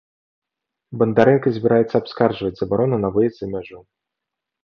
Бандарэнка збіраецца абскарджваць забарону на выезд за мяжу.